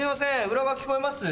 裏側聞こえます？